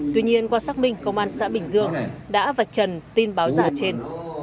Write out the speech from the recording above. tuy nhiên qua xác minh công an xã bình dương đã vạch trần tin báo giả trên